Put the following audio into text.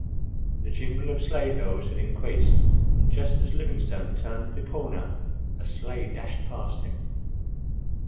The jingle of sleigh bells had increased and just as Livingstone turned the corner a sleigh dashed past him.